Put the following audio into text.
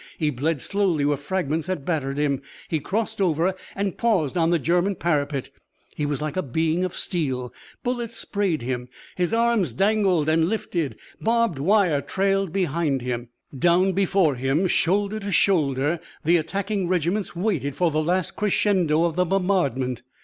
He bled slowly where fragments had battered him. He crossed over and paused on the German parapet. He was like a being of steel. Bullets sprayed him. His arms dangled and lifted. Barbed wire trailed behind him. Down before him, shoulder to shoulder, the attacking regiments waited for the last crescendo of the bombardment.